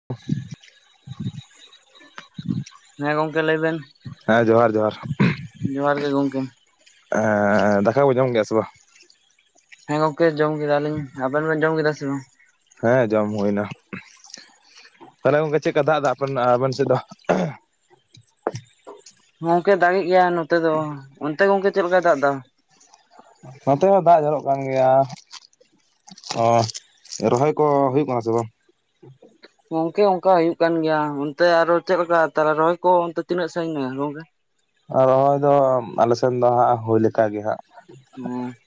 [inaudible] ᱦᱮᱸ ᱜᱚᱝᱠᱮ ᱞᱟᱹᱭ ᱵᱮᱱ? ᱦᱮᱸ ᱡᱚᱦᱟᱨ ᱡᱚᱦᱟᱨ ᱾ ᱡᱚᱦᱟᱨ ᱜᱮ ᱜᱚᱝᱠᱮ ᱾ [inaudible] ᱫᱟᱠᱟ ᱠᱚ ᱡᱚᱢ ᱜᱮᱭᱟ ᱥᱮ ᱵᱟᱝ? ᱦᱮᱸ ᱜᱚᱝᱠᱮ ᱡᱚᱢ ᱠᱮᱫᱟᱞᱤᱧ ᱟᱵᱮᱱ ᱵᱮᱱ ᱡᱚᱢ ᱠᱮᱫᱟ ᱥᱮ ᱵᱟᱝ? ᱦᱮᱸ ᱡᱚᱢ ᱦᱩᱭ ᱮᱱᱟ ᱛᱟᱦᱚᱞᱮ ᱜᱚᱝᱠᱮ ᱪᱮᱜᱠᱟ ᱫᱟᱜ ᱫᱟ ᱟᱯᱮᱱ ᱟᱵᱮᱱ ᱥᱮᱫ ᱫᱚ? ᱦᱚᱝᱠᱮ ᱫᱟᱜᱮᱜ ᱜᱮᱭᱟ ᱱᱚᱛᱮ ᱫᱚ ᱚᱱᱛᱮ ᱜᱚᱝᱠᱮ ᱪᱮᱫ ᱞᱮᱠᱟᱭ ᱫᱟᱜ ᱫᱟ? ᱱᱚᱛᱮ ᱦᱚᱸ ᱫᱟᱜ ᱡᱚᱨᱚᱜ ᱠᱟᱱ ᱜᱮᱭᱟ ᱾ ᱚ ᱨᱚᱦᱚᱭ ᱠᱚ ᱦᱩᱭᱩᱜ ᱠᱟᱱᱟ ᱥᱮ ᱵᱟᱝ? ᱜᱚᱝᱠᱮ ᱚᱱᱠᱟ ᱦᱩᱭᱩᱜ ᱠᱟᱱ ᱜᱮᱭᱟ ᱚᱱᱛᱮ ᱟᱨᱚ ᱪᱮᱫ ᱞᱮᱠᱟ ᱛᱟᱞᱮ ᱨᱚᱦᱚᱭ ᱠᱚ ᱚᱱᱛᱮ ᱛᱤᱱᱟᱹᱜ ᱥᱟᱺᱜᱤᱧᱱᱟ ᱜᱚᱝᱠᱮ? ᱨᱚᱦᱚᱭ ᱫᱚ ᱟᱞᱮ ᱥᱮᱱ ᱫᱚ ᱦᱟᱸᱜ ᱦᱩᱭ ᱞᱮᱠᱟᱜᱮ ᱦᱟᱸᱜ ᱾ [inaudible]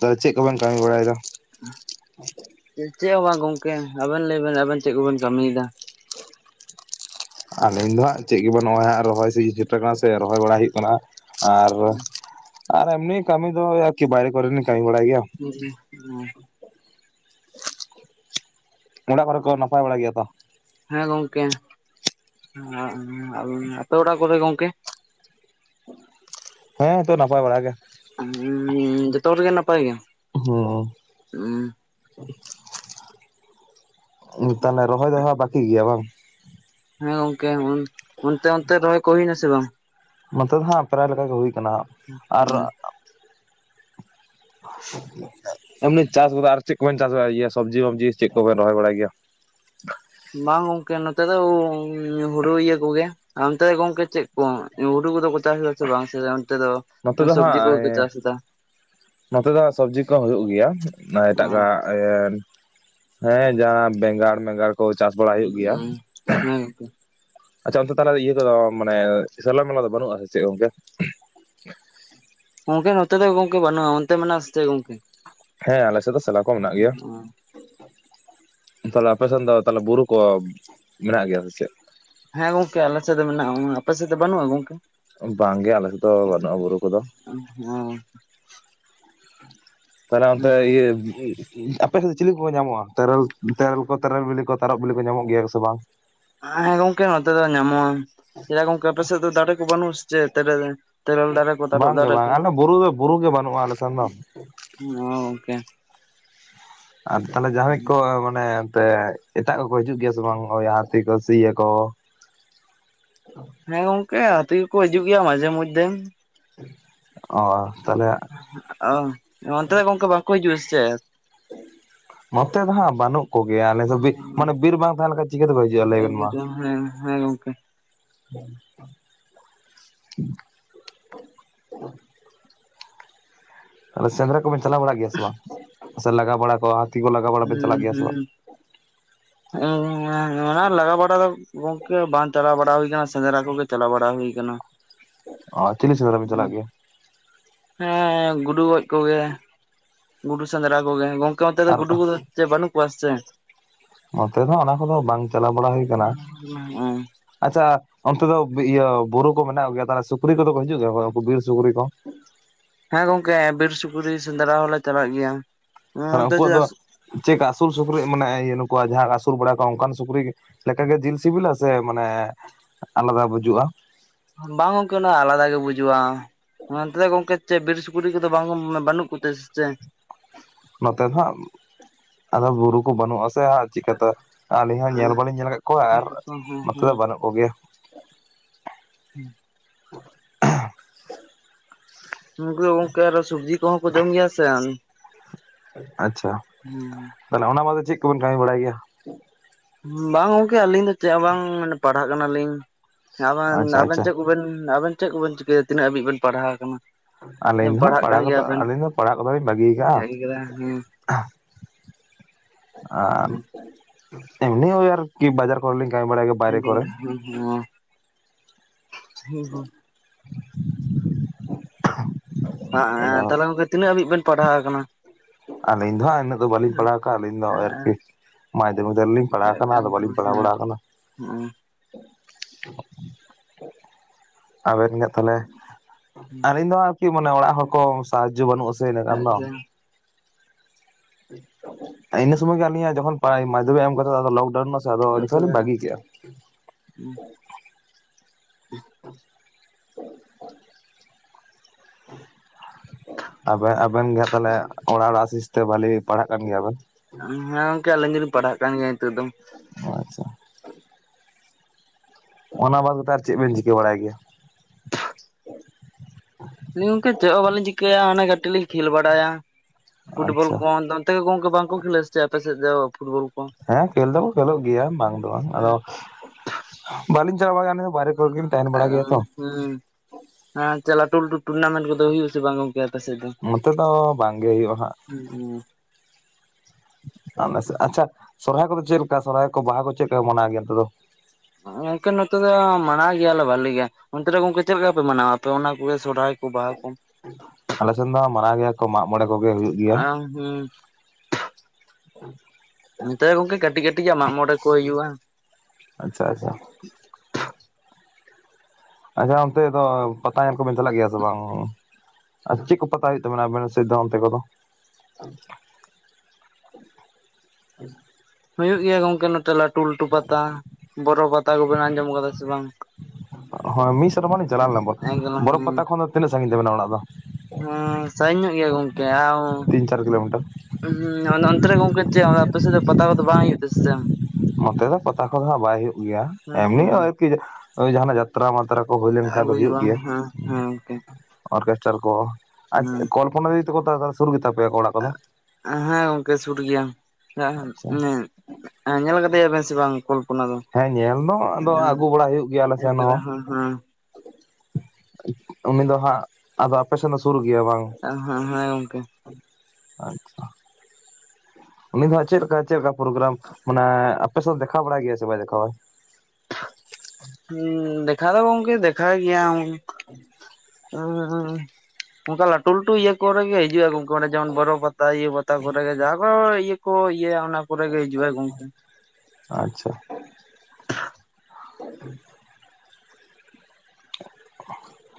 ᱫᱚ ᱪᱮᱜ ᱠᱚᱵᱮᱱ ᱠᱟᱹᱢᱤ ᱵᱟᱲᱟᱭ ᱫᱟ? ᱪᱮᱜ ᱦᱚᱸ ᱵᱟᱝ ᱜᱚᱝᱠᱮ ᱟᱵᱮᱱ ᱞᱟᱹᱭ ᱵᱮᱱ ᱟᱵᱮᱱ ᱪᱮᱜ ᱠᱚᱵᱮᱱ ᱠᱟᱹᱢᱤᱭᱫᱟ? ᱟᱹᱞᱤᱧ ᱫᱚ ᱦᱟᱸᱜ ᱪᱤᱜ ᱜᱮ ᱵᱟᱹᱱᱩᱜᱼᱟ ᱨᱚᱦᱚᱭ [inaudible] ᱴᱟᱠᱟ ᱥᱮ ᱨᱚᱦᱚᱭ ᱵᱟᱲᱟᱭ ᱦᱩᱭᱩᱜ ᱠᱟᱱᱟ ᱟᱨ ᱟᱨ ᱟᱢᱱᱤ ᱠᱟᱹᱢᱤ ᱫᱚ ᱠᱤ ᱵᱟᱭᱨᱮ ᱠᱚᱨᱮᱱ ᱠᱟᱹᱢᱤ ᱵᱟᱲᱟᱭ ᱜᱮᱭᱟ ᱾ [inaudible] ᱚᱱᱟ ᱠᱚᱨᱮ ᱠᱚᱢ ᱟᱥᱟᱭ ᱵᱟᱲᱟᱭ ᱜᱮᱭᱟ ᱛᱚ? ᱦᱮᱸ ᱜᱚᱝᱠᱮ [inaudible] ᱟᱹᱛᱳ ᱚᱲᱟᱜ ᱠᱚᱨᱮ ᱜᱚᱝᱠᱮ ᱾ ᱦᱮᱸ ᱛᱚ ᱱᱟᱯᱟᱭ ᱵᱟᱲᱟ ᱜᱮ ᱾ [inaudible] ᱡᱚᱛᱚ ᱦᱚᱲ ᱜᱮ ᱱᱟᱯᱟᱭ ᱜᱮ? [inaudible] [inaudible] ᱛᱟᱞᱦᱮ ᱨᱚᱦᱚᱭ ᱫᱚ ᱦᱟᱸᱜ ᱵᱟᱠᱤ ᱜᱮᱭᱟ ᱵᱟᱝ? ᱦᱮᱸ ᱜᱚᱝᱠᱮ ᱚᱱᱛᱮ ᱚᱱᱛᱮ ᱨᱚᱦᱚᱭ ᱠᱚ ᱦᱩᱭᱱᱟᱥᱮ ᱵᱟᱝ? ᱱᱚᱛᱮ ᱫᱚ ᱦᱟᱸᱜ ᱯᱨᱟᱭ ᱞᱮᱠᱟ ᱜᱮ ᱦᱩᱭ ᱠᱟᱱᱟ ᱾ [inaudible] ᱮᱢᱱᱤ ᱪᱟᱥ ᱠᱚᱫᱚ ᱟᱨ ᱪᱮᱜ ᱠᱚᱵᱮᱱ ᱪᱟᱥ ᱵᱟᱲᱟᱭ ᱜᱮᱭᱟ ᱥᱚᱵᱽᱡᱤ ᱢᱚᱵᱽᱡᱤ ᱪᱮᱜ ᱠᱚᱵᱮᱱ ᱨᱚᱦᱚᱭ ᱵᱟᱲᱟᱭ ᱜᱮᱭᱟ? ᱵᱟᱝ ᱜᱚᱝᱠᱮ ᱱᱚᱛᱮ ᱫᱚ ᱦᱩᱲᱩ ᱤᱭᱟᱹ ᱠᱚᱜᱮ ᱾ ᱚᱱᱛᱮ ᱜᱚᱝᱠᱮ ᱪᱮᱫ ᱠᱚ ᱦᱩᱲᱩ ᱠᱚᱫᱚ ᱠᱚ ᱪᱟᱥᱫᱟ ᱥᱮ ᱵᱟᱝ ᱥᱮ? ᱫᱚ ᱱᱚᱛᱮ ᱫᱚ ᱥᱚᱵᱽᱡᱤ ᱠᱚᱜᱮ ᱠᱚ ᱦᱟᱸᱜ ᱪᱟᱥ ᱮᱫᱟ ᱱᱚᱛᱮ ᱫᱚ ᱥᱚᱵᱽᱡᱤ ᱠᱚ ᱦᱩᱭᱩᱜ ᱜᱮᱭᱟ ᱚ ᱮᱴᱟᱜᱟᱜ ᱦᱮᱸ ᱡᱟᱦᱟᱸ ᱵᱮᱸᱜᱟᱲ ᱢᱮᱸᱜᱟᱲ ᱠᱩ ᱪᱟᱥ ᱵᱟ [unintelligible] ᱟᱪᱪᱷᱟ ᱚᱱᱛᱮ ᱛᱟᱞᱦᱮ ᱤᱭᱟᱹ ᱠᱚᱫᱚ ᱢᱟᱱᱮ ᱥᱟᱞᱚ ᱢᱮᱞᱚ ᱫᱚ ᱵᱟᱹᱱᱩᱜ ᱟ ᱥᱮ ᱪᱮᱫ ᱜᱚᱝᱠᱮ? ᱜᱚᱝᱠᱮ ᱱᱚᱛᱮ ᱫᱚ ᱜᱚᱝᱠᱮ ᱵᱟᱹᱱᱩᱜᱼᱟ, ᱚᱱᱛᱮ ᱢᱮᱱᱟᱜᱼᱟ ᱥᱮᱪᱮᱫ ᱜᱚᱝᱠᱮ? ᱦᱮᱸ ᱟᱞᱮ ᱥᱮᱫ ᱫᱚ ᱥᱟᱞᱟ ᱠᱚ ᱢᱮᱱᱟᱜ ᱜᱮᱭᱟ᱾ ᱛᱟᱦᱚᱞᱮ ᱟᱯᱮ ᱥᱮᱫ ᱫᱚ ᱛᱟᱞᱦᱮ ᱵᱩᱨᱩ ᱠᱚ ᱢᱮᱱᱟᱜ ᱜᱮᱭᱟ ᱥᱮ ᱪᱮᱫ? ᱦᱮᱸ ᱜᱚᱝᱠᱮ ᱟᱞᱮ ᱥᱮᱫ ᱫᱚ ᱢᱮᱱᱟᱜᱼᱟ, ᱟᱯᱮ ᱥᱮᱫ ᱫᱚ ᱵᱟᱹᱱᱩᱜᱼᱟ ᱜᱚᱝᱠᱮ? ᱵᱟᱝᱜᱮ ᱟᱞᱮᱥᱮ ᱫᱚ ᱵᱟᱹᱱᱩᱜᱼᱟ ᱵᱩᱨᱩ ᱠᱚᱫᱚ᱾ [unintelligible] ᱛᱟᱦᱚᱞᱮ ᱚᱱᱛᱮ ᱤᱭᱟᱹ ᱟᱯᱮ ᱥᱮᱫ ᱫᱚ ᱪᱤᱞᱤ ᱠᱚᱠᱚ ᱧᱟᱢᱚᱜᱼᱟ, ᱛᱮᱨᱮᱞ ᱛᱮᱨᱮᱞ ᱠᱚ ᱛᱮᱨᱮᱞ ᱵᱤᱞᱤ ᱠᱚ ᱛᱟᱨᱚᱯ ᱵᱮᱤᱞᱤ ᱠᱚ ᱧᱟᱢᱚᱜ ᱜᱮᱭᱟ ᱥᱮ ᱵᱟᱝ? ᱦᱮᱸ ᱜᱚᱝᱠᱮ ᱱᱚᱛᱮ ᱫᱚ ᱧᱟᱢᱚᱜᱼᱟ, ᱪᱮᱫᱟᱜ ᱜᱚᱝᱠᱮ ᱟᱯᱮ ᱥᱮᱫ ᱫᱚ ᱫᱟᱲᱮ ᱠᱚ ᱵᱟᱹᱱᱩᱜᱼᱟ ᱪᱮ ᱛᱮᱨᱮᱞ ᱫᱟᱨᱮ? ᱛᱮᱨᱮᱞ ᱠᱚ ᱛᱟᱨᱚᱵ ᱵᱟᱝᱜᱮ ᱫᱟᱨᱮ ᱵᱟᱝ ᱠᱚ? ᱟᱞᱮ ᱵᱩᱨᱩ ᱫᱚ ᱵᱩᱨᱩ ᱜᱮ ᱵᱟᱹᱱᱩᱜᱼᱟ ᱟᱞᱮ ᱥᱮᱱ ᱫᱚ᱾ ᱚ ᱜᱚᱝᱠᱮ᱾ ᱟᱨ ᱛᱟᱦᱚᱞᱮ ᱡᱟᱦᱟᱸᱭ ᱠᱚ ᱢᱟᱱᱮ ᱚᱱᱛᱮ ᱮᱴᱟᱜ ᱠᱚᱠᱚ ᱦᱤᱡᱩᱜ ᱜᱮᱭᱟ ᱥᱮ ᱵᱟᱝ ᱚᱭ ᱦᱟᱹᱛᱤ ᱠᱚ ᱥᱤᱭᱟ ᱠᱚ? ᱦᱮᱸ ᱜᱚᱝᱠᱮ ᱦᱟᱹᱛᱤ ᱜᱮᱠᱚ ᱦᱤᱡᱩᱜ ᱜᱮᱭᱟ ᱢᱟᱡᱷᱮ ᱢᱚᱫᱽᱫᱷᱮ᱾ ᱚ ᱛᱟᱦᱚᱞᱮ ᱚ ᱚᱱᱛᱮ ᱫᱚ ᱜᱚᱝᱠᱮ ᱵᱟᱠᱚ ᱦᱤᱡᱩᱜᱼᱟ ᱥᱮ ᱪᱮᱛ? [inaudible] ᱱᱚᱛᱮ ᱫᱚ ᱦᱟᱸᱜ ᱵᱟᱹᱱᱩᱜ ᱠᱚᱜᱮᱭᱟ ᱟᱞᱮ ᱫᱚ ᱵᱤᱨ ᱢᱟᱱᱮ ᱵᱤᱨ ᱵᱟᱝ ᱛᱟᱦᱮᱸ ᱞᱮᱱᱠᱷᱟᱱ ᱪᱤᱠᱟᱹᱛᱮ ᱵᱟᱭ ᱦᱤᱡᱩᱜᱼᱟ ᱞᱟᱹᱭᱵᱮᱱ ᱟᱵᱚ ᱢᱟ᱾ ᱫᱚ ᱦᱮᱸ ᱜᱚᱝᱠᱮ᱾ [unintelligible] ᱥᱮᱸᱫᱽᱨᱟ ᱠᱚᱵᱮᱱ ᱪᱟᱞᱟᱣ ᱵᱟᱲᱟᱜ ᱜᱮᱭᱟ ᱥᱮ ᱵᱟᱝ ᱞᱟᱜᱟᱣ ᱵᱟᱲᱟ ᱠᱚᱣᱟ? ᱦᱩ ᱦᱩ᱾ ᱚᱱᱟ ᱞᱟᱜᱟ ᱵᱟᱲᱟ ᱫᱚ ᱜᱚᱝᱠᱮ ᱵᱟᱝ ᱪᱟᱞᱟᱣ ᱵᱟᱲᱟ ᱦᱩᱭ ᱠᱟᱱᱟ᱾ ᱥᱮᱸᱫᱽᱨᱟ ᱠᱚᱜᱮ ᱪᱟᱞᱟᱣ ᱵᱟᱲᱟ ᱦᱩᱭ ᱟᱠᱟᱱᱟ᱾ ᱚ ᱪᱤᱞᱤ ᱥᱮᱸᱫᱽᱨᱟ ᱵᱤᱱ ᱪᱟᱞᱟᱜ ᱜᱮᱭᱟ? ᱦᱮᱸ ᱜᱩᱰᱩ ᱜᱚᱡ ᱠᱚᱜᱮ ᱜᱩᱰᱩ ᱥᱮᱸᱫᱽᱨᱟ ᱠᱚᱜᱮ, ᱜᱚᱝᱠᱮ ᱱᱚᱛᱮ ᱫᱚ ᱟᱨ ᱜᱩᱰᱩ ᱠᱚᱫᱚ ᱪᱮ ᱵᱟᱱᱩ ᱠᱚᱣᱟ ᱪᱮ? ᱱᱚᱛᱮ ᱫᱚ ᱚᱱᱟ ᱠᱚᱫᱚ ᱵᱟᱝ ᱪᱟᱞᱟᱣ ᱵᱟᱲᱟ ᱦᱩᱭ ᱠᱟᱱᱟ᱾ [unintelligible] ᱟᱪᱪᱷᱟ ᱚᱱᱛᱮ ᱫᱚ ᱤᱭᱟᱹ ᱵᱩᱨᱩ ᱠᱚ ᱢᱮᱱᱟᱜ ᱜᱮᱭᱟ ᱛᱟᱦᱚᱞᱮ ᱥᱩᱠᱨᱤ ᱠᱚᱫᱚ ᱠᱚ ᱦᱤᱡᱩᱜ ᱜᱮᱭᱟᱭ ᱩᱱᱠᱩ ᱵᱤᱨ ᱥᱩᱠᱨᱤ ᱠᱚ? ᱦᱮᱸ ᱜᱚᱝᱠᱮ ᱵᱤᱨ ᱥᱩᱠᱨᱤ ᱥᱮᱸᱫᱽᱨᱟ ᱦᱚᱞᱮ ᱪᱟᱞᱟᱜ ᱜᱮᱭᱟ᱾ ᱛᱟᱦᱚᱞᱮ ᱚᱱᱛᱮ ᱩᱱᱠᱩᱣᱟᱜ ᱫᱚ ᱪᱮᱫᱟᱜ ᱪᱮᱠᱟᱜ ᱟᱹᱥᱩᱞ ᱥᱩᱠᱨᱤ ᱢᱟᱱᱮ ᱤᱭᱟᱹ ᱱᱩᱠᱩᱣᱟᱜ ᱡᱟᱦᱟᱸ ᱠᱚ ᱟᱹᱥᱩᱞ ᱵᱟᱲᱟ ᱠᱚᱣᱟ ᱚᱱᱠᱟᱱ ᱥᱩᱠᱨᱤ ᱞᱮᱠᱟᱜᱮ ᱡᱤᱞ ᱥᱤᱵᱤᱞᱟ ᱥᱮ ᱢᱟᱱᱮ ᱟᱞᱟᱫᱟ ᱵᱩᱡᱩᱜᱼᱟ? ᱵᱟᱝ ᱜᱚᱝᱠᱮ ᱱᱚᱭ ᱟᱞᱟᱫᱟ ᱜᱮ ᱵᱩᱡᱩᱜᱼᱟ᱾ ᱚᱱᱛᱮ ᱫᱚ ᱜᱚᱝᱠᱮ ᱪᱮᱫ ᱵᱤᱨ ᱥᱩᱠᱨᱤ ᱠᱚᱫᱚ ᱵᱟᱝ ᱵᱟᱹᱱᱩᱜ ᱠᱚᱛᱮ ᱥᱮ ᱪᱮ? ᱱᱚᱛᱮ ᱫᱚ ᱦᱟᱜ ᱟᱫᱚ ᱵᱩᱨᱩ ᱠᱚ ᱵᱟᱹᱱᱩᱜᱼᱟ ᱥᱮ ᱪᱤᱠᱟᱹᱛᱮ ᱟᱹᱞᱤᱧ ᱦᱚᱸ ᱧᱮᱞ ᱵᱟᱞᱤᱧ ᱧᱮᱞ ᱟᱠᱟᱫ ᱠᱚᱣᱟ ᱟᱨ ᱦᱮᱸ ᱱᱚᱛᱮ ᱦᱮᱸ ᱫᱚ ᱵᱟᱹᱱᱩᱜ ᱠᱚᱜᱮᱭᱟ᱾ ᱜᱚᱝᱠᱮ ᱟᱨᱚ ᱥᱚᱵᱡᱤ ᱠᱚᱦᱚᱸ ᱠᱚ ᱡᱚᱢ ᱜᱮᱭᱟ ᱥᱮ᱾ ᱟᱪᱪᱷᱟ ᱛᱟᱦᱚᱞᱮ ᱚᱱᱟ ᱵᱟᱫᱮ ᱪᱮᱫ ᱠᱚᱵᱮᱱ ᱠᱟᱹᱢᱤ ᱵᱟᱲᱟᱭ ᱜᱮᱭᱟ? ᱵᱟᱝ ᱜᱚᱝᱠᱮ ᱟᱹᱞᱤᱧ ᱫᱚ ᱪᱮᱫ ᱵᱟᱝ ᱢᱟᱱᱮ ᱯᱟᱲᱦᱟᱜ ᱠᱟᱱᱟᱞᱤᱧ᱾ ᱟᱵᱮᱱ ᱟᱪᱪᱷᱟ ᱟᱵᱮᱱ ᱟᱪᱪᱷᱟ ᱪᱮᱫ ᱠᱚᱵᱮᱱ ᱟᱵᱮᱱ ᱪᱮᱫ ᱠᱚᱵᱮᱱ ᱪᱤᱠᱟᱹᱟ ᱛᱤᱱᱟᱹᱜ ᱦᱟᱵᱤᱡ ᱵᱮᱱ ᱯᱟᱲᱦᱟᱣ ᱟᱠᱟᱱᱟ? ᱟᱹᱞᱤᱧ ᱫᱚ ᱦᱟᱸᱜ ᱠᱟᱱ ᱯᱟᱲᱦᱟᱜ ᱠᱚᱫᱚ ᱜᱮᱭᱟᱵᱮᱱ ᱟᱹᱞᱤᱧ ᱫᱚ ᱯᱟᱲᱦᱟᱜ ᱠᱚᱫᱚ ᱞᱤᱧ ᱵᱟᱹᱜᱤ ᱠᱟᱜᱼᱟ᱾ ᱟᱨ ᱮᱢᱱᱤ ᱳᱭ ᱟᱨᱠᱤ ᱵᱟᱡᱟᱨ ᱠᱚᱨᱮ ᱞᱤᱧ ᱠᱟᱹᱢᱤ ᱵᱟᱲᱟ [unintelligible] [unintelligible] ᱦᱮ ᱦᱮᱸ ᱛᱟᱦᱚᱞᱮ ᱜᱚᱝᱠᱮ ᱛᱤᱱᱟᱹᱜ ᱦᱟᱹᱵᱤᱡ ᱵᱮᱱ ᱯᱟᱲᱦᱟᱣ ᱟᱠᱟᱱᱟ᱾ ᱟᱹᱞᱤᱧ ᱫᱚ ᱦᱟᱸᱜ ᱤᱱᱟᱹᱜ ᱫᱚ ᱵᱟᱹᱞᱤᱧ ᱯᱟᱲᱦᱟᱣ ᱠᱟᱜᱼᱟ ᱟᱹᱞᱤᱧ ᱫᱚ ᱳᱭ ᱟᱨᱠᱤ ᱢᱟᱭᱫᱷᱚᱢᱤᱠ ᱫᱟᱨᱤᱡ ᱞᱤᱧ ᱯᱟᱲᱦᱟᱣ ᱟᱠᱟᱱᱟ ᱟᱫᱚ ᱵᱟᱞᱤᱧ ᱯᱟᱲᱦᱟᱣ ᱵᱟᱲᱟ ᱟᱠᱟᱱᱟ᱾ [unintelligible] [inaudible] ᱟᱵᱮᱱ ᱜᱮ ᱛᱟᱦᱚᱞᱮ ᱟᱹᱞᱤᱧ ᱫᱚ ᱦᱟᱸᱜ ᱟᱨᱠᱤ ᱢᱟᱱᱮ ᱚᱲᱟᱜ ᱦᱚᱲ ᱠᱚ ᱥᱟᱦᱟᱡᱡᱚ ᱵᱟᱹᱱᱩᱜ ᱟᱥᱮ ᱤᱱᱟᱹᱜ ᱜᱟᱱ ᱫᱚ ᱤᱱᱟᱹ ᱥᱚᱢᱚᱭ ᱜᱮ ᱟᱞᱤᱧᱟᱜ ᱡᱚᱠᱷᱚᱱ ᱢᱟᱭᱫᱷᱚᱢᱤᱠ ᱮᱢ ᱠᱟᱛᱷᱟ ᱟᱫᱚ ᱞᱚᱠᱰᱟᱣᱩᱱ ᱱᱟᱥᱮ ᱟᱫᱚ ᱤᱱᱟᱹ ᱠᱷᱚᱱ ᱞᱤᱧ ᱵᱟᱹᱜᱤ ᱠᱮᱜᱼᱟ [unintelligible] [inaudible] [inaudible] ᱟ ᱟᱵᱮᱱ ᱜᱮ ᱦᱟᱸᱜ ᱛᱟᱦᱞᱮ ᱚᱲᱟᱜ ᱦᱚᱲᱟᱜ ᱟᱥᱤᱥ ᱛᱮ ᱵᱷᱟᱞᱤ ᱯᱟᱲᱦᱟᱜ ᱠᱟᱱ ᱜᱮᱭᱟ ᱵᱮᱱ᱾ ᱦᱮᱸ ᱜᱚᱝᱠᱮ ᱟᱹᱞᱤᱧ ᱫᱚᱞᱤᱧ ᱯᱟᱲᱦᱟᱜ ᱠᱟᱱ ᱜᱮᱭᱟ ᱱᱤᱛᱚᱜ ᱫᱚ᱾ ᱟᱪᱪᱷᱟ ᱚᱱᱟ ᱵᱟᱫ ᱠᱟᱛᱮ ᱟᱨ ᱪᱮᱫ ᱵᱮᱱ ᱪᱤᱠᱟᱹ ᱵᱟᱲᱟᱭ ᱜᱮᱭᱟ᱾ ᱟᱹᱞᱤ ᱜᱚᱝᱠᱮ ᱪᱮᱫ ᱦᱚᱸ ᱵᱟᱞᱤᱧ ᱪᱤᱠᱟᱹᱭᱟ ᱚᱱᱮ ᱠᱟᱹᱴᱤᱡ ᱞᱤᱧ ᱠᱷᱮᱞ ᱵᱟᱲᱟᱭᱟ ᱯᱷᱩᱴᱵᱚᱞ ᱟᱪᱪᱷᱟ ᱠᱚᱦᱚᱸ ᱚᱱᱛᱮ ᱵᱟᱝ ᱠᱚ ᱠᱷᱮᱞ-ᱟᱥᱮ ᱪᱮᱫ ᱟᱯᱮ ᱥᱮᱫ ᱯᱷᱩᱴᱵᱚᱞ ᱠᱚ? ᱦᱮᱸ ᱠᱷᱮᱞ ᱫᱚᱠᱚ ᱠᱷᱮᱞᱳᱜ ᱜᱮᱭᱟ ᱵᱟᱝ ᱫᱚ ᱵᱟᱝ ᱟᱫᱚ ᱦᱩᱸ ᱵᱟᱹᱞᱤᱧ ᱪᱟᱞᱟᱣ ᱵᱟ ᱵᱟᱦᱨᱮ ᱠᱚᱨᱮ ᱜᱮᱞᱤᱧ ᱛᱟᱦᱮᱱ ᱵᱟᱲᱟ ᱜᱮᱭᱟ ᱛᱚ᱾ ᱦᱩᱸ ᱦᱮᱸ, ᱪᱮ ᱞᱟᱴᱩ ᱞᱟᱴᱩ ᱴᱩᱨᱱᱟᱢᱮᱱᱴ ᱠᱚᱫᱚ ᱦᱩᱭᱩᱜ ᱟᱥᱮ ᱵᱟᱝ ᱜᱚᱝᱠᱮ? ᱜᱮ ᱟᱯᱮ ᱥᱮᱫ ᱫᱚ ᱱᱚᱛᱮ ᱫᱚ ᱵᱟᱝᱜᱮ ᱦᱩᱭᱩᱜᱼᱟ ᱦᱟᱸᱜ᱾ ᱦᱩᱸ ᱩᱸ ᱟᱪᱪᱷᱟ ᱥᱚᱨᱦᱟᱭ ᱠᱚᱫᱚ ᱪᱮᱫ ᱞᱮᱠᱟ ᱥᱚᱨᱦᱟᱭ ᱠᱚ ᱵᱟᱦᱟ ᱠᱚ ᱪᱮᱫᱠᱟ ᱯᱮ ᱢᱟᱱᱟᱣ ᱜᱮᱭᱟ ᱟᱯᱮ ᱫᱚ? ᱜᱚᱝᱠᱮ ᱱᱚᱛᱮ ᱫᱚ ᱢᱟᱱᱟᱣ ᱜᱮᱭᱟᱞᱮ ᱵᱷᱟᱞᱤ ᱜᱮ᱾ ᱚᱱᱛᱮ ᱨᱮ ᱜᱚᱝᱠᱮ ᱪᱮᱫ ᱞᱮᱠᱟ ᱯᱮ ᱢᱟᱱᱟᱣᱟ ᱟᱯᱮ ᱚᱱᱟ ᱠᱚᱨᱮ ᱥᱚᱦᱨᱟᱭ ᱠᱚ ᱵᱟᱦᱟ ᱠᱚ? ᱟᱞᱮᱥᱱ ᱫᱚ ᱢᱟᱱᱟᱣ ᱜᱮᱭᱟ ᱠᱚ ᱢᱟᱜᱢᱚᱬᱮ ᱠᱚᱜᱮ ᱦᱩᱭᱩᱜ ᱜᱮᱭᱟ᱾ ᱦᱩᱸᱻ ᱱᱚᱛᱮ ᱫᱚ ᱜᱚᱝᱠᱮ ᱠᱟᱹᱴᱤᱡ ᱠᱟᱹᱴᱤᱡᱟᱜ ᱢᱟᱜ ᱢᱚᱬᱮ ᱠᱚ ᱦᱩᱭᱩᱜᱼᱟ᱾ ᱟᱪᱪᱷᱟ ᱟᱪᱪᱷᱟ, ᱟᱪᱪᱷᱟ, ᱚᱱᱛᱮ ᱫᱚ ᱯᱟᱛᱟ ᱧᱟᱞ ᱠᱚᱵᱮᱱ ᱪᱟᱞᱟᱜ ᱜᱮᱭᱟ ᱥᱮ ᱵᱟᱝ? ᱟᱨ ᱪᱮᱫ ᱠᱚ ᱯᱟᱛᱟ ᱦᱩᱭᱩᱜ ᱛᱟᱵᱮᱱᱟ ᱟᱵᱮᱱ ᱥᱮ ᱚᱱᱛᱮ ᱠᱚᱫᱚ? [inaudible] ᱦᱳᱭᱳᱜ ᱜᱮᱭᱟ ᱜᱚᱝᱠᱮ ᱱᱚᱛᱮ ᱞᱟᱹᱴᱩ ᱞᱟᱹᱴᱩ ᱯᱟᱛᱟ ᱵᱚᱨᱚ ᱯᱟᱛᱟ ᱠᱚᱵᱮᱱ ᱟᱸᱡᱚᱢ ᱟᱠᱟᱫᱟ ᱥᱮ ᱵᱟᱝ? ᱦᱳᱭ ᱢᱤᱫ ᱥᱮᱨᱢᱟ ᱞᱤᱧ ᱪᱟᱞᱟᱣ ᱞᱮᱱᱟ ᱮᱠᱞᱟ ᱵᱚᱨᱚ ᱦᱮᱸ ᱯᱟᱛᱟ ᱠᱷᱚᱱ ᱫᱚ ᱛᱤᱱᱟᱹᱜ ᱥᱟᱺᱜᱤᱧ ᱛᱟᱵᱤᱱᱟ ᱚᱲᱟᱜ ᱫᱚ? ᱦᱮᱸ ᱥᱟᱜᱤᱧ ᱧᱚᱜ ᱜᱮᱭᱟ ᱜᱚᱝᱠᱮ ᱟᱣ ᱛᱤᱱ ᱪᱟᱨ ᱠᱤᱞᱳᱢᱤᱴᱟᱨ᱾ ᱦᱩᱸ ᱚᱱᱮ ᱚᱱᱛᱮ ᱨᱮ ᱜᱚᱝᱠᱮ ᱪᱮᱫ ᱟᱯᱮ ᱥᱮᱫ ᱫᱚ ᱯᱟᱛᱟ ᱠᱚᱫᱚ ᱵᱟᱝ ᱦᱩᱭᱩᱜ ᱛᱮ ᱥᱮ ᱪᱮᱛ? ᱱᱚᱛᱮ ᱫᱚ ᱯᱟᱛᱟ ᱠᱚᱫᱚ ᱦᱟᱸᱜ ᱵᱟᱭ ᱦᱩᱭᱩᱜ ᱜᱮᱭᱟ ᱦᱮᱸ ᱮᱢᱱᱤ ᱦᱮᱸ ᱟᱨᱠᱤ ᱳᱭ ᱡᱟᱦᱟᱱᱟᱜ ᱡᱟᱛᱨᱟ ᱡᱟᱛᱨᱟ ᱢᱟᱛᱨᱟ ᱠᱚ ᱦᱩᱭ ᱞᱮᱱᱠᱷᱟᱱ ᱫᱚ ᱦᱩᱭᱩᱜ ᱦᱩᱭᱩᱜᱼᱟ ᱜᱮᱭᱟ᱾ ᱦᱮᱸ ᱦᱮᱸ ᱜᱚᱝᱠᱮ ᱚᱨᱠᱮᱥᱴᱨᱟᱟᱨ ᱠᱚ ᱟᱨ ᱠᱚᱞᱯᱚᱱᱟ ᱫᱤ ᱛᱟᱠᱚ ᱫᱚ ᱥᱩᱨ ᱜᱮᱛᱟ ᱯᱮᱭᱟ ᱟᱲᱟᱜ ᱦᱮᱸ ᱜᱚᱝᱠᱮ ᱥᱩᱨ ᱜᱮᱭᱟ ᱟᱪᱪᱷᱟ ᱢᱟᱱᱮ ᱦᱮᱸ ᱧᱮᱞ ᱠᱟᱫᱮᱭᱟ ᱵᱮᱱ ᱥᱮ ᱵᱟᱝ? ᱫᱚ? ᱦᱮᱸ ᱧᱮᱞ ᱫᱚ ᱟᱫᱚ ᱟᱹᱜᱩ ᱵᱟᱲᱟ ᱦᱩᱭᱩᱜ ᱜᱮᱭᱟ ᱟᱞ ᱥᱮᱱ ᱮᱠᱵᱟᱨᱮ ᱦᱚᱸ᱾ ᱦᱮᱸ ᱦᱮᱸ, ᱩᱱᱤ ᱫᱚ ᱦᱟᱸᱜ ᱟᱫᱚ ᱟᱯᱮᱥᱮᱱ ᱫᱚ ᱥᱩᱨᱩᱜ ᱜᱮᱭᱟ ᱵᱟᱝ? ᱦᱮᱸ ᱦᱮᱸ ᱜᱚᱝᱠᱮ᱾ ᱟᱪᱪᱷᱟ ᱩᱱᱤ ᱫᱚ ᱦᱟᱜ ᱪᱮᱫ ᱞᱮᱠᱟ ᱪᱮᱫ ᱞᱮᱠᱟ ᱯᱨᱳᱜᱨᱟᱢ ᱢᱟᱱᱮ ᱟᱯᱮᱥᱮᱫ ᱫᱚ ᱫᱮᱠᱷᱟᱣ ᱵᱟᱲᱟᱭ ᱜᱮᱭᱟ ᱥᱮ ᱵᱟᱭ ᱫᱮᱠᱷᱟᱣᱟ? ᱦᱩᱸ ᱫᱮᱠᱷᱟᱣ ᱫᱚ ᱜᱚᱢᱠᱮ ᱫᱮᱠᱷᱟᱣ ᱜᱮᱭᱟ, [inaudible] ᱩᱻ ᱚᱱᱠᱟ ᱞᱟᱴᱩ ᱞᱟᱹᱴᱩ ᱤᱭᱟᱹ ᱠᱚᱨᱮ ᱜᱮ ᱦᱤᱡᱩᱜᱼᱟ ᱜᱚᱝᱠᱮ, ᱢᱟᱱᱮ ᱡᱮᱢᱚᱱ ᱵᱚᱨᱚ ᱯᱟᱛᱟ, ᱛᱟ ᱤᱭᱟᱹ ᱯᱟᱛᱟ ᱠᱚᱨᱮ ᱜᱮ ᱡᱟᱦᱟ ᱠᱚ ᱤᱭᱟᱹ ᱠᱚ ᱚᱱᱟ ᱠᱚᱨᱮ ᱜᱮ ᱦᱤᱡᱩᱜ ᱜᱚᱢᱠᱮ ᱟᱪᱪᱷᱟ, [inaudible]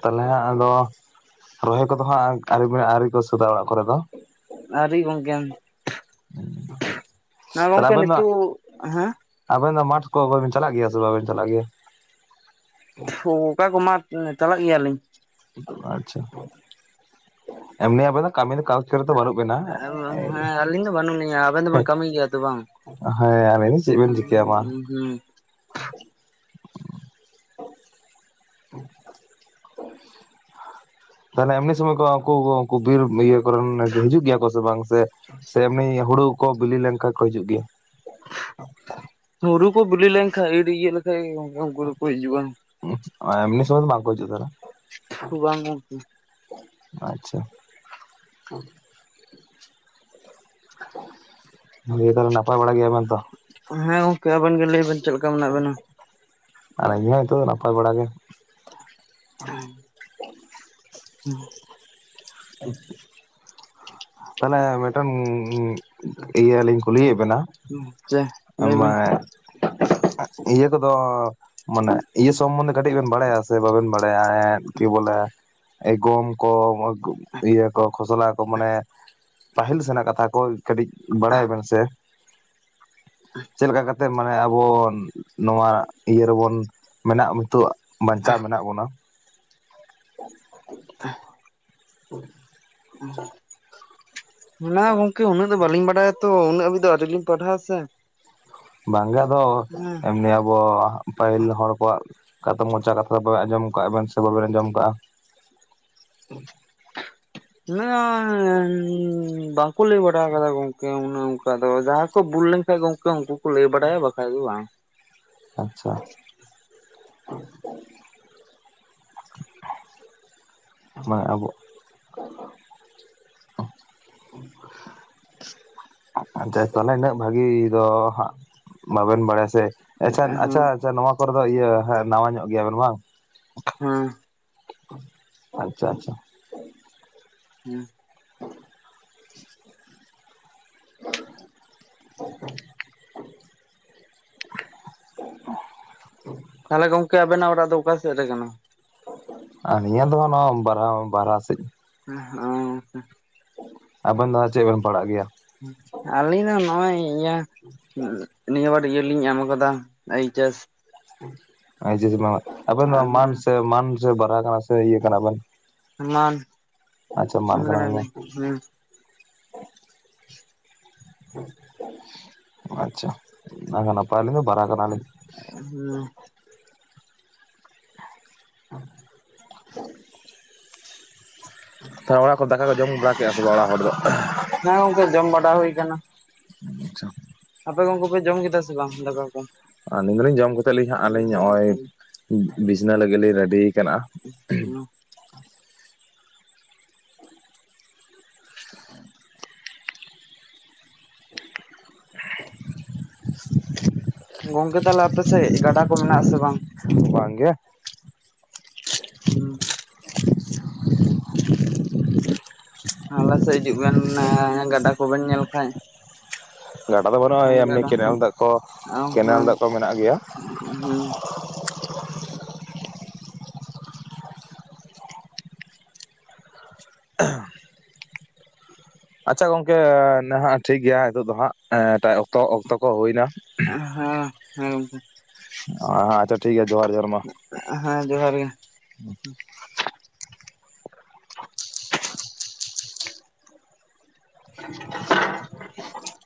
ᱛᱟᱞᱚᱦᱮ ᱟᱫᱚ ᱨᱚᱦᱚᱭ ᱠᱚᱫᱚ ᱦᱟᱸᱜ ᱟᱹᱨᱤ ᱜᱮ ᱟᱣᱹᱨᱤ ᱠᱚ ᱥᱟᱹᱛᱼᱟ ᱚᱲᱟᱜ ᱠᱚᱨᱮ ᱫᱚ? ᱟᱣᱹᱨᱤ ᱜᱚᱢᱠᱮ᱾ [inaudible] ᱱᱚᱣᱟ ᱛᱟᱦᱚᱞᱮ ᱜᱚᱝᱠᱮ ᱟᱵᱮᱱ ᱫᱚ ᱱᱤᱛᱚᱜ ᱦᱮᱸ? ᱟᱵᱮᱱ ᱫᱚ ᱢᱟᱴᱷ ᱠᱚ ᱵᱮᱱ ᱪᱟᱞᱟᱜ ᱜᱮᱭᱟ ᱥᱮ ᱵᱟᱵᱮᱱ ᱪᱟᱞᱟᱜ ᱜᱮᱭᱟ? ᱚᱠᱟ ᱠᱚ ᱢᱟ ᱪᱟᱞᱟᱜ ᱜᱮᱭᱟᱞᱤᱧ᱾ ᱟᱪᱪᱷᱟ, ᱮᱢᱱᱤ ᱟᱵᱤᱱ ᱫᱚ ᱠᱟᱹᱢᱤ ᱠᱟ ᱦᱮᱸ ᱟᱹᱞᱤᱧ ᱫᱚ ᱵᱟᱹᱱᱩᱜ ᱞᱤᱧᱟ᱾ ᱟᱵᱮᱱ ᱫᱚᱵᱮᱱ ᱠᱟᱹᱢᱤᱭ ᱜᱮᱭᱟ ᱛᱚ ᱵᱟᱝ? ᱦᱮᱸ ᱟᱨ ᱪᱮᱫ ᱵᱮᱱ ᱪᱤᱠᱟᱹᱭᱟ ᱢᱟ, ᱦᱩᱸ ᱦᱩᱸ [inaudible] ᱛᱟᱦᱚᱞᱮ ᱮᱢᱱᱤ ᱥᱚᱢᱚᱭ ᱠᱚ ᱟᱠᱩ ᱩᱱᱠᱩ ᱵᱤᱨ ᱤᱭᱟᱹ ᱠᱚᱨᱮᱱ ᱦᱤᱡᱩᱜ ᱜᱮᱭᱟ ᱠᱚ ᱥᱮ ᱵᱟᱝ ᱥᱮ? ᱥᱮ ᱮᱢᱱᱤ ᱦᱩᱲᱩ ᱠᱚ ᱵᱤᱞᱤ ᱞᱮᱱᱠᱷᱟᱡ ᱠᱚ ᱦᱤᱡᱩᱜ ᱜᱮᱭᱟ? ᱦᱩᱲᱩ ᱠᱚ ᱵᱤᱞᱤ ᱞᱮᱱᱠᱷᱟᱡ ᱤᱨ ᱤᱭᱟᱹ ᱞᱮᱠᱷᱟᱡ ᱜᱚᱢᱠᱮ ᱩᱱᱠᱩ ᱫᱚᱠᱚ ᱦᱤᱡᱩᱜᱼᱟ᱾ ᱮᱢᱱᱤ ᱥᱚᱢᱚᱭ ᱫᱚ ᱵᱟᱠᱚ ᱦᱤᱡᱩᱜᱼᱟ ᱛᱟᱦᱞᱮ? ᱵᱟᱝ ᱜᱚᱝᱠᱮ, ᱟᱪᱪᱷᱟ, ᱛᱟᱦᱚᱞᱮ ᱱᱟᱯᱟᱭ ᱵᱟᱲᱟ ᱜᱮᱭᱟ ᱵᱮᱱᱛᱚ? ᱦᱮᱸ ᱜᱚᱝᱠᱮ, ᱟᱵᱮᱱ ᱜᱮ ᱞᱟᱹᱭ ᱵᱮᱱ ᱪᱮᱫ ᱞᱮᱠᱟ ᱢᱮᱱᱟᱜ ᱵᱮᱱᱟ? ᱟᱨ ᱤᱧᱦᱚᱸ ᱱᱤᱛᱚᱜ ᱫᱚ ᱱᱟᱯᱟᱭ ᱵᱟᱲᱟ ᱜᱮ ᱾ ᱦᱮᱸ, [inaudible] [inaudible] ᱛᱟᱦᱚᱞᱮ ᱢᱤᱫᱴᱟᱝ ᱤᱭᱟᱹᱞᱤᱧ ᱠᱩᱞᱤᱭᱮᱫ ᱵᱮᱱᱟ ᱾ ᱦᱟᱸ, ᱪᱮ? ᱟᱢ ᱞᱟᱹᱭ ᱢᱟ ᱵᱮᱱ ᱤᱭᱟᱹ ᱠᱚᱫᱚ ᱢᱟᱱᱮ ᱤᱭᱟᱹ ᱥᱚᱢᱵᱚᱱᱫᱷᱮ ᱠᱟᱹᱴᱤᱡ ᱵᱮᱱ ᱵᱟᱲᱟᱭᱟ ᱥᱮ ᱵᱟᱵᱮᱱ ᱵᱟᱲᱟᱭᱟ? ᱠᱤ ᱵᱚᱞᱮ ᱮ ᱜᱚᱢ ᱠᱚ, ᱤᱭᱟᱹ ᱠᱚ ᱠᱷᱚᱥᱚᱞᱟ ᱠᱚ ᱢᱟᱱᱮ ᱯᱟᱹᱦᱤᱞ ᱥᱮᱱᱟᱜ ᱠᱟᱛᱷᱟ ᱠᱚ᱾ ᱠᱟᱹᱴᱤᱡ ᱵᱟᱲᱟᱭᱟ ᱵᱮᱱ ᱥᱮ? ᱪᱮᱫ ᱞᱮᱠᱟ ᱠᱟᱛᱮᱫ ᱢᱟᱱᱮ ᱟᱵᱚ ᱱᱚᱣᱟ ᱤᱭᱟᱹ ᱨᱮᱵᱚᱱ ᱢᱮᱱᱟᱜ ᱱᱤᱛᱚᱜ ᱵᱟᱧᱪᱟᱣ ᱢᱮᱱᱟᱜ ᱵᱚᱱᱟ ᱾ [inaudible] [unintelligible] ᱢᱟᱱᱮ ᱜᱚᱝᱠᱮ ᱩᱱᱟᱹᱜ ᱫᱚ ᱵᱟᱹᱞᱤᱧ ᱵᱟᱲᱟᱭᱟ ᱛᱚ ᱩᱱᱟᱹᱜ ᱦᱟᱹᱵᱤᱡ ᱫᱚ ᱟᱹᱣᱨᱤ ᱞᱤᱧ ᱯᱟᱰᱷᱟᱣ-ᱟ ᱥᱮ᱾ ᱵᱟᱝ ᱜᱮ ᱟᱫᱚ ᱮᱢᱱᱤ ᱟᱵᱚ, ᱯᱟᱹᱦᱤᱞ ᱦᱚᱲ ᱠᱚᱣᱟᱜ ᱠᱟᱛᱟ ᱢᱚᱪᱟ ᱠᱟᱛᱷᱟ ᱫᱚᱵᱮᱱ ᱟᱸᱡᱚᱢ ᱠᱟᱜ ᱵᱮᱱ ᱥᱮ ᱵᱟᱵᱮᱱ ᱟᱸᱡᱚᱢ ᱟᱠᱟᱜᱼᱟ᱾ [inaudible] ᱦᱮᱸᱻ ᱵᱝᱟᱠᱚ ᱞᱟᱹᱭ ᱵᱟᱲᱟ ᱠᱟᱫᱟ ᱜᱚᱝᱠᱮ ᱩᱱᱟᱸᱜ ᱚᱱᱠᱟ ᱫᱚ ᱡᱟᱦᱟᱸ ᱠᱚ ᱵᱩᱞ ᱞᱮᱱ ᱠᱷᱟᱡ ᱜᱚᱝᱠᱮ ᱩᱱᱠᱩ ᱠᱚ ᱞᱟᱹᱭ ᱵᱟᱲᱟᱭᱟ ᱵᱟᱠᱷᱟᱡ ᱫᱚ ᱵᱟᱝ᱾ ᱟᱪᱪᱷᱟ᱾ ᱢᱟ ᱟᱵᱚᱜ, ᱟᱪᱮ ᱛᱟᱦᱚᱞᱮ ᱤᱱᱟᱹᱜ ᱵᱷᱟᱜᱤ ᱫᱚ ᱦᱟᱸᱜ ᱵᱟᱵᱮᱱ ᱵᱟᱲᱟᱭᱟ ᱥᱮ, ᱟᱪᱪᱷᱮ ᱦᱮᱸ ᱦᱮᱸ ᱟᱪᱪᱷᱟ ᱟᱪᱪᱷᱟ ᱱᱚᱣᱟ ᱠᱚᱨᱮ ᱫᱚ ᱤᱭᱟᱹ ᱦᱟᱸᱜ ᱱᱟᱣᱟ ᱧᱚᱜ ᱜᱮᱭᱟᱵᱮᱱ ᱵᱟᱝ? ᱦᱩᱸ ᱟᱪᱪᱷᱟ ᱟᱪᱪᱷᱟ, ᱦᱩᱸ [unintelligible] [unintelligible] [unintelligible] ᱛᱟᱦᱟᱞᱮ ᱜᱚᱝᱠᱮ ᱟᱵᱮᱱᱟᱜ ᱚᱲᱟᱜ ᱫᱚ ᱚᱠᱟ ᱥᱮᱫ ᱨᱮ ᱠᱟᱱᱟ? ᱟᱠᱤᱧᱟᱜ ᱫᱚ ᱱᱚᱣᱟ ᱵᱟᱨᱦᱟᱣ ᱵᱟᱨᱦᱟ ᱥᱮᱤᱫ। [unintelligible] ᱟᱵᱮᱱ ᱫᱚ ᱪᱮᱫ ᱵᱮᱱ ᱯᱟᱲᱟᱜ ᱜᱮᱭᱟ? ᱟᱹᱞᱤᱧ ᱫᱚ ᱱᱚᱜᱼᱚᱭ ᱤᱭᱟᱹ [unintelligible] ᱱᱤᱭᱟᱹᱵᱟᱨ ᱤᱭᱟᱹᱞᱤᱧ ᱮᱢ ᱟᱠᱟᱫᱟ ᱮᱭᱤᱪᱮᱥ। ᱮ ᱡᱮ [unintelligible] ᱟᱵᱚ ᱫᱚ ᱱᱚᱣᱟ ᱢᱟᱱ ᱥᱮ ᱢᱟᱱ ᱥᱮ ᱵᱟᱨᱟᱜᱷᱟ ᱥᱮ ᱤᱭᱟᱹ ᱠᱟᱱᱟ ᱵᱚᱱ? ᱢᱟᱱ ᱢᱟᱱ ᱠᱟᱱᱟ ᱵᱮᱱ [unintelligible] ᱦᱩᱸ ᱟᱪᱪᱷᱟ ᱚᱱᱟ ᱜᱮ ᱱᱟᱯᱟᱭ ᱞᱤᱧ ᱫᱚ ᱵᱟᱨᱟ ᱼᱼ [unintelligible] [unintelligible] ᱛᱚ ᱚᱲᱟᱜ ᱠᱚ ᱫᱟᱠᱟ ᱠᱚ ᱡᱚᱢ ᱵᱟᱲᱟ ᱠᱮᱼᱟ ᱥᱮ ᱵᱟᱝ ᱚᱲᱟᱜ ᱦᱚᱲ ᱫᱚ? ᱦᱮᱸ ᱜᱚᱝᱠᱮ ᱡᱚᱢ ᱵᱟᱰᱟ ᱦᱩᱭ ᱠᱟᱱᱟ। [unintelligible] ᱟᱯᱮ ᱜᱚᱝᱠᱮ ᱯᱮ ᱡᱚᱢ ᱠᱮᱫᱟ ᱥᱮ ᱵᱟᱝ ᱫᱟᱠᱟ ᱠᱚ? ᱟᱸᱞᱤᱧ ᱫᱚᱞᱤᱧ ᱡᱚᱢ ᱠᱟᱛᱮᱫ ᱞᱤᱧ ᱦᱟᱸᱜ ᱟᱹᱞᱤᱧ ᱦᱚᱸᱜᱼᱚᱭ, ᱵᱤᱪᱷᱱᱟᱹ ᱞᱟᱹᱜᱤᱫ ᱞᱤᱧ ᱨᱮᱰᱤ ᱠᱟᱱ-ᱟ। [unintelligible] ᱜᱚᱝᱠᱮ ᱛᱟᱦᱟᱞᱮ ᱟᱯᱮ ᱥᱮᱜ ᱜᱟᱰᱟ ᱠᱚ ᱢᱮᱱᱟᱜ ᱟᱥᱮ ᱵᱟᱝ? ᱵᱟᱝᱜᱮ ᱦᱩᱸ ᱟᱞᱮ ᱥᱮᱜ ᱦᱤᱡᱩᱜ ᱵᱮᱱ ᱮᱻ ᱜᱟᱰᱟ ᱠᱚᱵᱮᱱ ᱧᱮᱞ ᱠᱷᱟᱡ। ᱜᱟᱰᱟ ᱫᱚ ᱵᱟᱹᱱᱩᱜᱼᱟ ᱮᱢᱱᱤ ᱜᱟᱰᱟ ᱠᱮᱱᱮᱞ ᱦᱚᱸ ᱫᱟᱜ ᱠᱚ ᱠᱮᱱᱮᱞ ᱫᱟᱜ ᱠᱚ ᱢᱮᱱᱟᱜ ᱜᱮᱭᱟ। [unintelligible] ᱦᱩᱸ [unintelligible] ᱟᱪᱪᱷᱟ ᱜᱚᱝᱠᱮ ᱱᱟᱦᱟᱜ ᱴᱷᱤᱠ ᱜᱮᱭᱟ ᱱᱤᱛᱚᱜ ᱫᱚ ᱦᱟᱸᱜ ᱮᱴᱟᱜ ᱚᱠᱛᱚ ᱚᱠᱛᱚ ᱠᱚ ᱦᱩᱭᱱᱟ। ᱮᱜ-ᱦᱮᱸ ᱦᱮᱸ ᱜᱚᱝᱠᱮ। ᱟ ᱟᱪᱷᱟ ᱴᱷᱤᱠ ᱜᱮᱭᱟ ᱡᱚᱦᱟᱨ ᱡᱚᱦᱟᱨ ᱢᱟ, ᱟᱜ ᱦᱮᱸ ᱡᱚᱸᱦᱟᱨ ᱜᱮ। [inaudible]